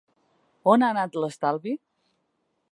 On ha anat l’estalvi?